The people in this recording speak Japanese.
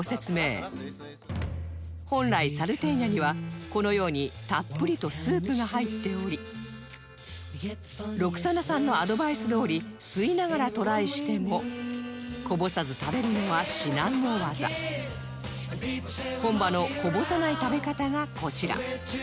本来サルテーニャにはこのようにたっぷりとスープが入っておりロクサナさんのアドバイスどおり吸いながらトライしてもこぼさず食べるのは至難の業がこちら